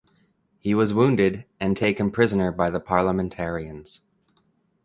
He was wounded and taken prisoner by the Parliamentarians.